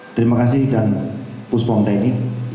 terima kasih dan pusponteni